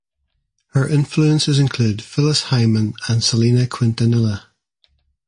Her influences include Phyllis Hyman and Selena Quintanilla.